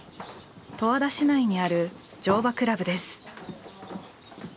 十和田市内にある乗馬倶楽部です。